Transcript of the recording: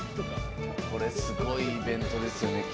これすごいイベントですよね